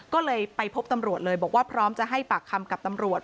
ก็เลยไปพบตำรวจเลยบอกว่าพร้อมจะให้ปากคำกับตำรวจ